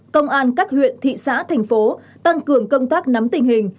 công an các huyện thị xã thành phố tăng cường công tác nắm tình hình